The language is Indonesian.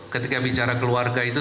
ketika bicara keluarga itu